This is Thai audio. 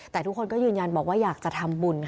แต่ทุกคนก็ยืนยันบอกว่าอยากจะทำบุญค่ะ